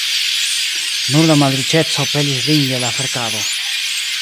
Nur la malriĉeco pelis lin je la verkado.